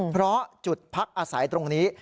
เพราะจุดพักอาศัยตรงนี้